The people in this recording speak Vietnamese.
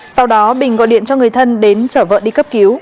sau đó bình gọi điện cho người thân đến chở vợ đi cấp cứu